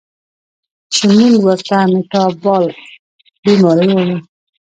چې مونږ ورته ميټابالک بیمارۍ وايو